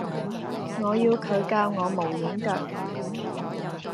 我要佢教我無影腳